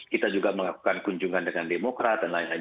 kita juga melakukan kunjungan dengan demokrat dan lain lain